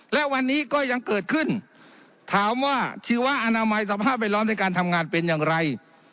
และวันนี้ก็ยังเกิดขึ้นถามว่าชีวอนามัยสภาพแวดล้อมในการทำงานเป็นอย่างไร